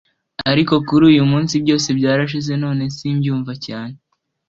ariko kuri uyumunsi byose byarashize none simbyumva cyane